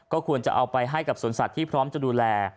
ควรจะเอาไปให้กับสวนสัตว์ที่พร้อมจะดูแล